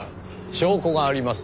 証拠があります。